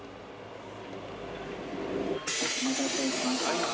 お待たせしました。